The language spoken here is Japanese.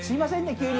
急に。